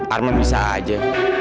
arman bisa aja